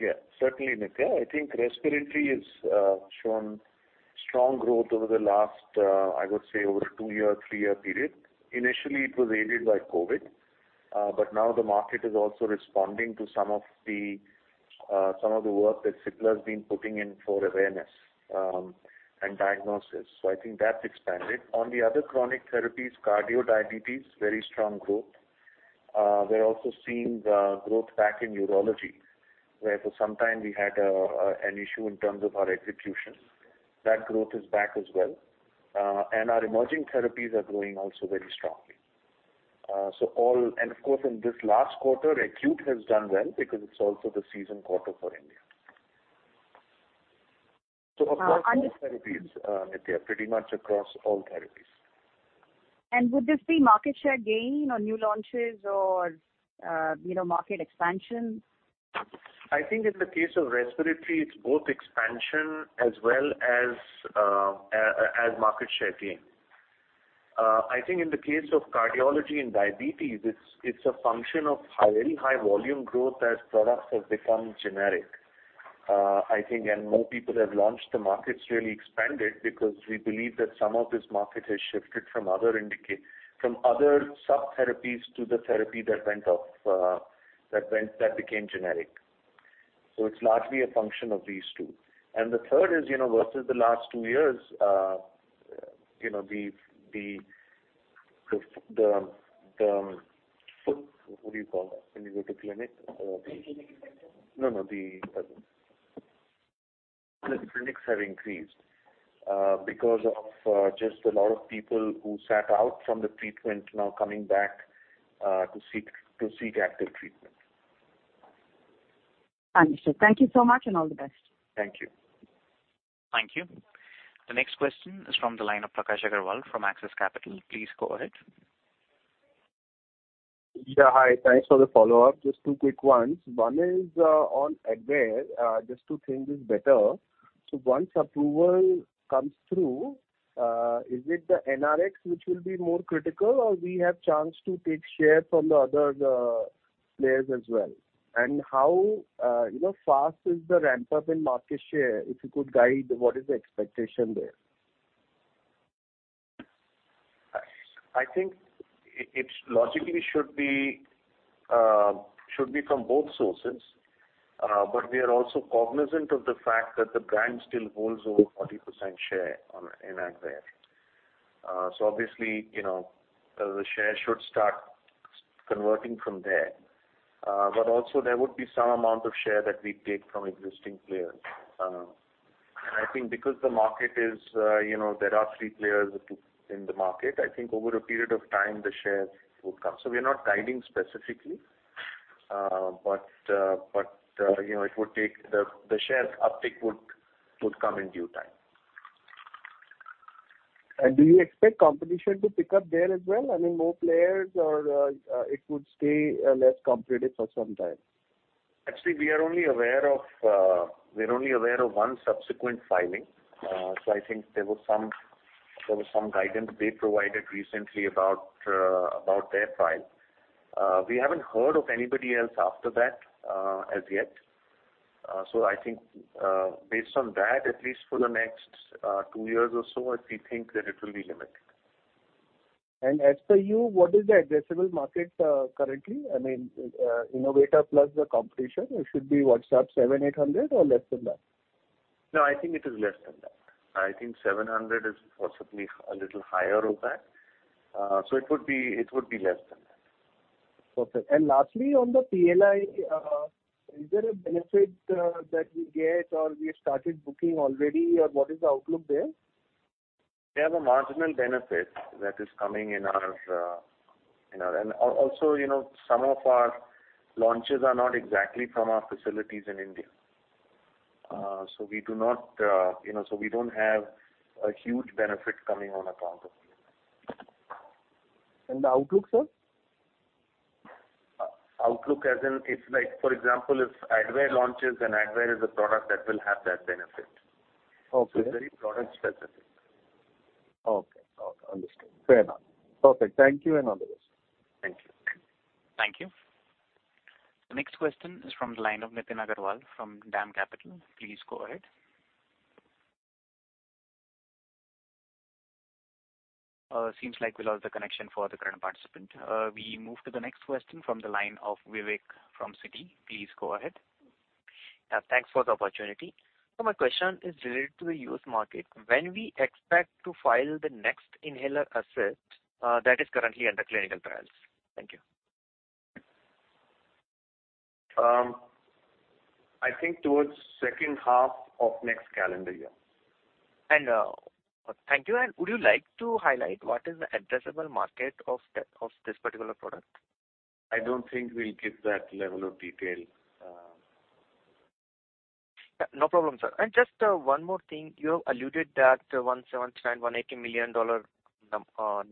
Yeah. Certainly, Nithya. I think respiratory has shown strong growth over the last, I would say over two-year, three-year period. Initially, it was aided by COVID, but now the market is also responding to some of the work that Cipla's been putting in for awareness, and diagnosis. I think that's expanded. On the other chronic therapies, cardio, diabetes, very strong growth. We're also seeing the growth back in urology, where for some time we had an issue in terms of our execution. That growth is back as well. Our emerging therapies are growing also very strongly. Of course, in this last quarter, acute has done well because it's also the season quarter for India. Across all therapies, Nithya, pretty much across all therapies. Would this be market share gain or new launches or, you know, market expansion? I think in the case of respiratory, it's both expansion as well as as market share gain. I think in the case of cardiology and diabetes, it's a function of high, very high volume growth as products have become generic. I think and more people have launched, the market's really expanded because we believe that some of this market has shifted from other sub-therapies to the therapy that became generic. So it's largely a function of these two. The third is, you know, versus the last two years, you know, what do you call that when you go to clinic? The clinical sector? No, the clinics have increased because of just a lot of people who sat out from the treatment now coming back to seek active treatment. Understood. Thank you so much, and all the best. Thank you. Thank you. The next question is from the line of Prakash Agarwal from Axis Capital. Please go ahead. Yeah, hi. Thanks for the follow-up. Just two quick ones. One is on Advair. Just to understand this better, once approval comes through, is it the NRx which will be more critical or do we have a chance to take share from the other players as well? And how, you know, fast is the ramp-up in market share? If you could guide what is the expectation there. I think it logically should be from both sources. But we are also cognizant of the fact that the brand still holds over 40% share in Advair. Obviously, the share should start converting from there. But also there would be some amount of share that we take from existing players. I think because the market is, there are three players in the market, I think over a period of time the shares would come. We are not guiding specifically, but it would take the shares uptick would come in due time. Do you expect competition to pick up there as well? I mean, more players or, it would stay less competitive for some time? Actually, we are only aware of one subsequent filing. I think there was some guidance they provided recently about their file. We haven't heard of anybody else after that as yet. I think based on that, at least for the next two years or so, we think that it will be limited. As per you, what is the addressable market currently? I mean, innovator plus the competition, it should be what? 700-800 or less than that? No, I think it is less than that. I think 700 is possibly a little higher than that. It would be less than that. Perfect. Lastly, on the PLI, is there a benefit that we get or we have started booking already or what is the outlook there? We have a marginal benefit that is coming in our. Also, you know, some of our launches are not exactly from our facilities in India. So, you know, we don't have a huge benefit coming on account of PLI. The outlook, sir? Outlook as in, if like, for example, if Advair launches and Advair is a product that will have that benefit. Okay. It's very product specific. Okay. Understood. Fair enough. Perfect. Thank you, and no other questions. Thank you. Thank you. The next question is from the line of Nitin Agarwal from DAM Capital. Please go ahead. Seems like we lost the connection for the current participant. We move to the next question from the line of Vivek from Citi. Please go ahead. Yeah, thanks for the opportunity. My question is related to the U.S. market. When we expect to file the next inhaler asset that is currently under clinical trials? Thank you. I think towards second half of next calendar year. Thank you. Would you like to highlight what is the addressable market of this particular product? I don't think we'll give that level of detail. Yeah, no problem, sir. Just one more thing. You have alluded that $179 million-$180 million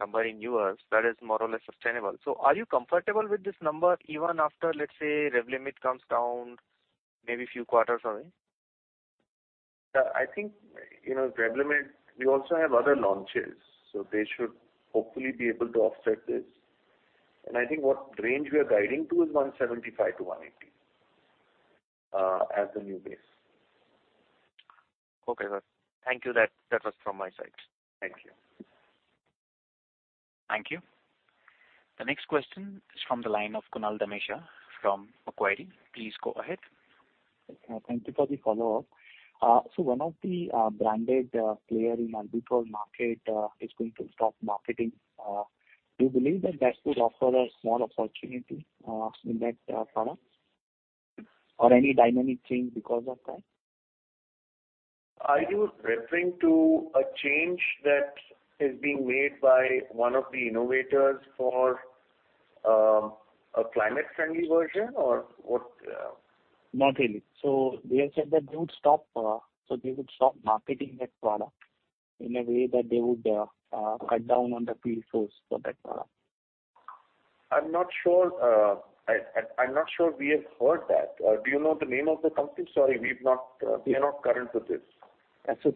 number in US that is more or less sustainable. Are you comfortable with this number even after, let's say, Revlimid comes down maybe few quarters only? I think, you know, Revlimid, we also have other launches, so they should hopefully be able to offset this. I think the range we are guiding to is 175-180 as the new base. Okay, sir. Thank you. That was from my side. Thank you. Thank you. The next question is from the line of Kunal Dhamesha from Macquarie. Please go ahead. Thank you for the follow-up. One of the branded player in albuterol market is going to stop marketing. Do you believe that could offer a small opportunity in that product or any dynamic change because of that? Are you referring to a change that is being made by one of the innovators for a climate-friendly version or what? Not really. They have said that they would stop marketing that product in a way that they would cut down on the field force for that product. I'm not sure we have heard that. Do you know the name of the company? Sorry, we've not. We are not current with this.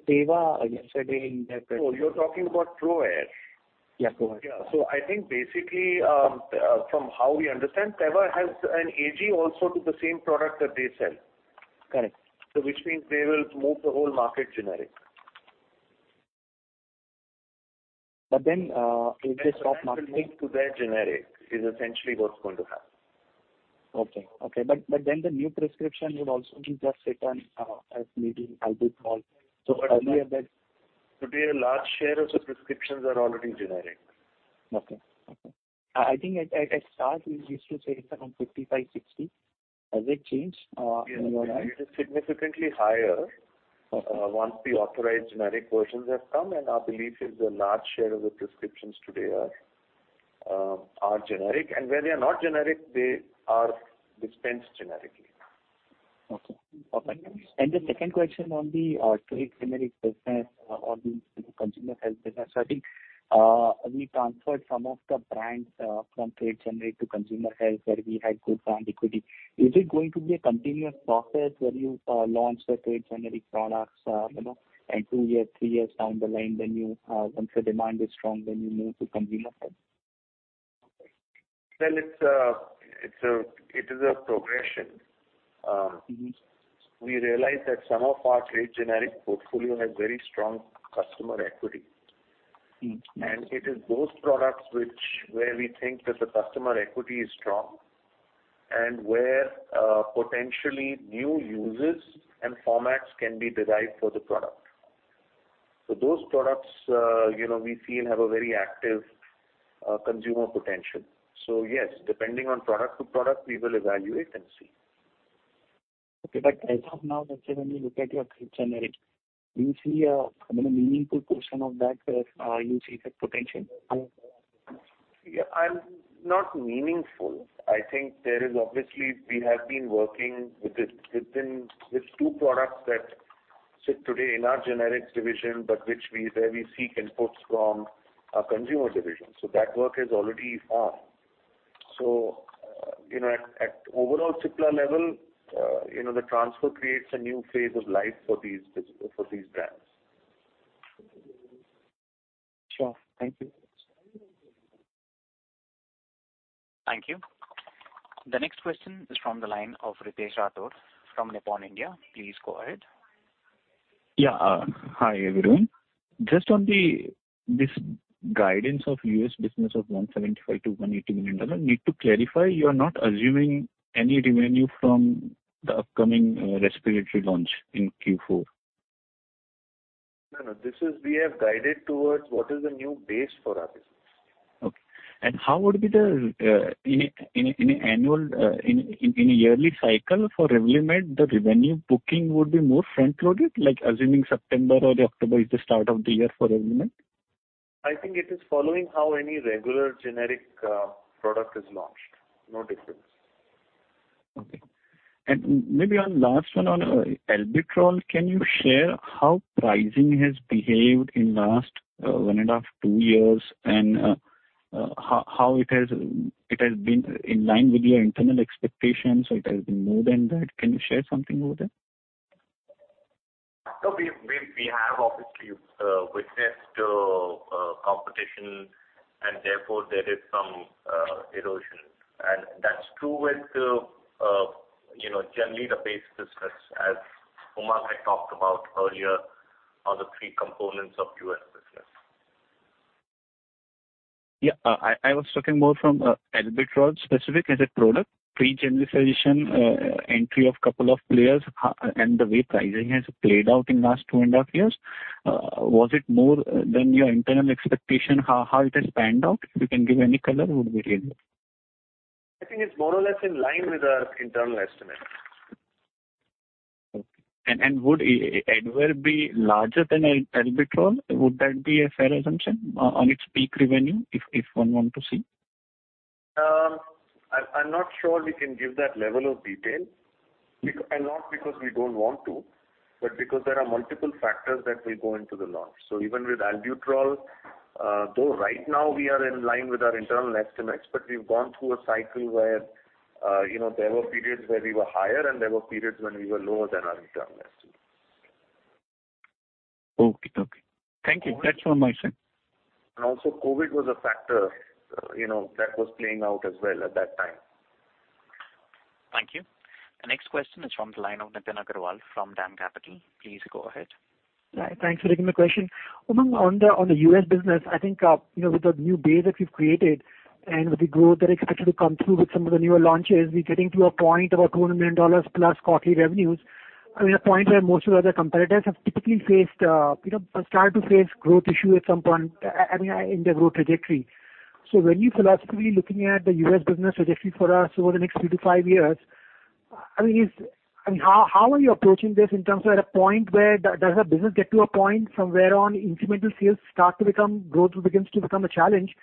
Teva yesterday in that. Oh, you're talking about ProAir? Yeah, ProAir. Yeah. I think basically, from how we understand, Teva has an AG also to the same product that they sell. Correct. Which means they will move the whole market generic. If they stop marketing. To their generic is essentially what's going to happen. Okay. The new prescription would also be just set on as maybe Albuterol. Earlier that. Today a large share of the prescriptions are already generic. Okay. I think at start we used to say around 55, 60. Has it changed in your mind? It is significantly higher. Okay. Once the authorized generic versions have come, and our belief is a large share of the prescriptions today are generic. Where they are not generic, they are dispensed generically. Okay. No problems. The second question on the trade generic business or the consumer health business. I think we transferred some of the brands from trade generic to consumer health where we had good brand equity. Is it going to be a continuous process where you launch the trade generic products, you know, and two years, three years down the line, then you once the demand is strong, then you move to consumer health? Well, it's a progression. We realize that some of our trade generic portfolio has very strong customer equity. It is those products which, where we think that the customer equity is strong and where, potentially new users and formats can be derived for the product. Those products, you know, we feel have a very active, consumer potential. Yes, depending on product to product, we will evaluate and see. Okay. As of now, let's say when you look at your generic, do you see a, I mean, a meaningful portion of that, usage potential? Yeah. Not meaningful. I think there is obviously we have been working with this within with two products that sit today in our generics division, but where we seek inputs from our consumer division. That work is already on. You know, at overall Cipla level, you know, the transfer creates a new phase of life for these brands. Sure. Thank you. Thank you. The next question is from the line of Ritesh Rathod from Nippon India. Please go ahead. Yeah. Hi, everyone. Just on this guidance of U.S. business of $175 million-$180 million, need to clarify you are not assuming any revenue from the upcoming respiratory launch in Q4? No, no. This is, we have guided towards what is the new base for our business. Okay. How would be the in an annual in a yearly cycle for Revlimid, the revenue booking would be more front-loaded, like assuming September or October is the start of the year for Revlimid? I think it is following how any regular generic product is launched. No difference. Okay. Maybe one last one on Albuterol. Can you share how pricing has behaved in last 1.5-2 years and how it has been in line with your internal expectations or it has been more than that? Can you share something over there? No, we have obviously witnessed competition and therefore there is some erosion. That's true with, you know, generally the base business, as Umang had talked about earlier, are the three components of U.S. business. Yeah. I was talking more from Albuterol specific as a product, pre-genericization entry of a couple of players, and the way pricing has played out in last 2.5 years. Was it more than your internal expectation, how it has panned out? If you can give any color would be really helpful. I think it's more or less in line with our internal estimates. Would Advair be larger than Albuterol? Would that be a fair assumption on its peak revenue if one want to see? I'm not sure we can give that level of detail. Not because we don't want to, but because there are multiple factors that will go into the launch. Even with Albuterol, though right now we are in line with our internal estimates, but we've gone through a cycle where, you know, there were periods where we were higher and there were periods when we were lower than our internal estimates. Okay. Thank you. That's all my side. Also, COVID was a factor, you know, that was playing out as well at that time. Thank you. The next question is from the line of Nitin Agarwal from DAM Capital. Please go ahead. Hi. Thanks for taking the question. On the U.S. Business, I think, you know, with the new base that you've created and with the growth that is expected to come through with some of the newer launches, we're getting to a point about $200 million plus quarterly revenues. I mean, a point where most of the other competitors have typically faced, you know, started to face growth issue at some point, I mean, in their growth trajectory. When you philosophically looking at the U.S. business trajectory for us over the next three to five years, I mean, how are you approaching this in terms of at a point where does the business get to a point from where on incremental sales start to become, growth begins to become a challenge?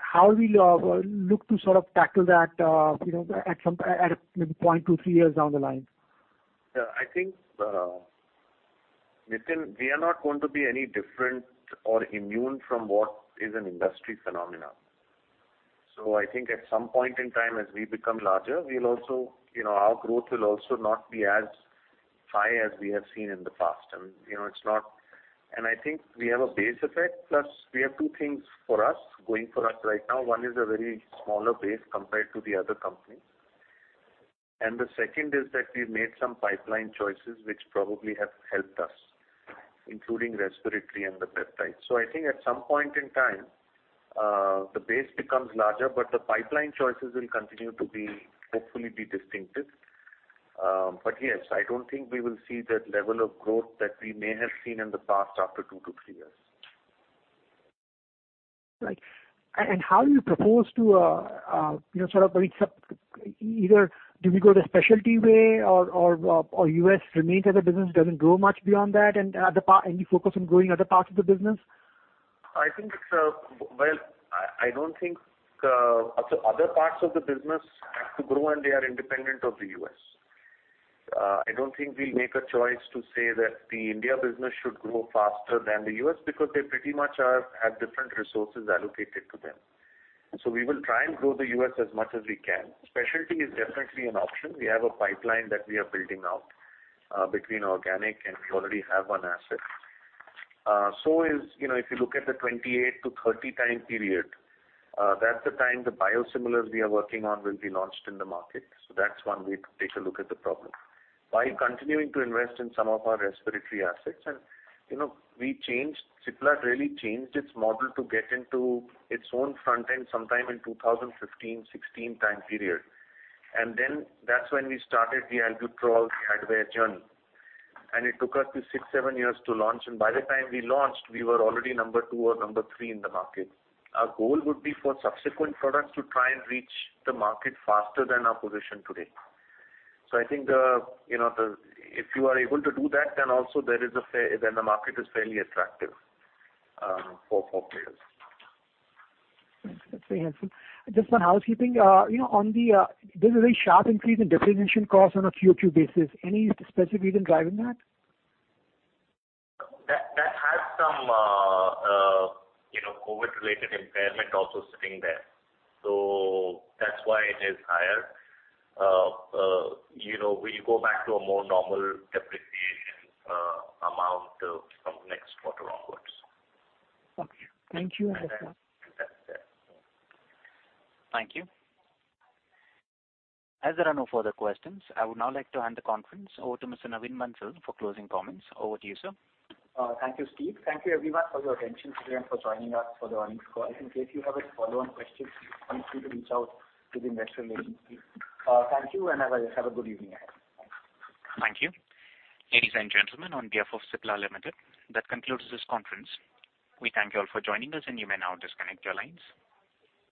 How will you look to sort of tackle that, you know, at some point maybe 2-3 years down the line? Yeah. I think, Nitin, we are not going to be any different or immune from what is an industry phenomenon. I think at some point in time, as we become larger, we'll also, you know, our growth will also not be as high as we have seen in the past. I think we have a base effect, plus we have two things going for us right now. One is a very small base compared to the other companies. The second is that we've made some pipeline choices which probably have helped us, including respiratory and the peptides. I think at some point in time, the base becomes larger, but the pipeline choices will continue to hopefully be distinctive. I don't think we will see that level of growth that we may have seen in the past after 2-3 years. Right. How do you propose to, you know, sort of reach up? Either do we go the specialty way or US remains as a business doesn't grow much beyond that and you focus on growing other parts of the business? I think, well, I don't think other parts of the business have to grow and they are independent of the US. I don't think we'll make a choice to say that the India business should grow faster than the US because they pretty much have different resources allocated to them. We will try and grow the US as much as we can. Specialty is definitely an option. We have a pipeline that we are building out between organic and we already have one asset. You know, if you look at the 2028-2030 time period, that's the time the biosimilars we are working on will be launched in the market. That's one way to take a look at the problem. While continuing to invest in some of our respiratory assets and, you know, we changed, Cipla really changed its model to get into its own front end sometime in 2015, 2016 time period. That's when we started the Albuterol, the Advair journey. It took us 6-7 years to launch, and by the time we launched, we were already number two or number three in the market. Our goal would be for subsequent products to try and reach the market faster than our position today. I think, you know, if you are able to do that, then also there is a fair, then the market is fairly attractive for players. That's very helpful. Just one housekeeping. You know, there's a very sharp increase in depreciation costs on a QoQ basis. Any specific reason driving that? That has some, you know, COVID-related impairment also sitting there. So that's why it is higher. You know, we go back to a more normal depreciation amount from next quarter onwards. Okay. Thank you. That's it. Thank you. As there are no further questions, I would now like to hand the conference over to Mr. Naveen Bansal for closing comments. Over to you, sir. Thank you, Steve. Thank you everyone for your attention today and for joining us for the earnings call. In case you have a follow-on question, feel free to reach out to the investor relations team. Thank you and have a good evening ahead. Thanks. Thank you. Ladies and gentlemen, on behalf of Cipla Limited, that concludes this conference. We thank you all for joining us, and you may now disconnect your lines.